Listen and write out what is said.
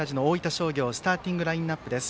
商業のスターティングラインアップです。